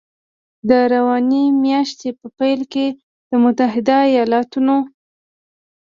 د روانې میاشتې په پیل کې د متحدو ایالتونو